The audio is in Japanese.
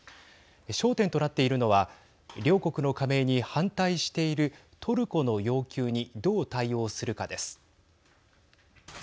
焦点となっているのは両国の加盟に反対しているトルコの要求にどう対応するかです。